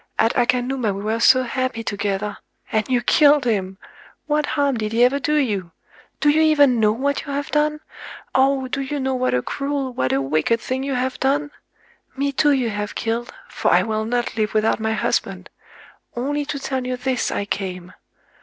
At Akanuma we were so happy together,—and you killed him!... What harm did he ever do you? Do you even know what you have done?—oh! do you know what a cruel, what a wicked thing you have done?... Me too you have killed,—for I will not live without my husband!... Only to tell you this I came."...